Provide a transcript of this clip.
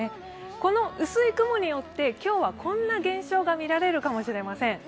この薄い雲によって今日はこんな現象が見られるかもしれません。